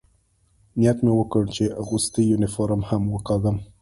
نیت مې وکړ، چې اغوستی یونیفورم هم وکاږم.